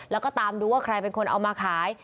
แล้วก็ตามดูว่าใครเป็นคนเอามาขาย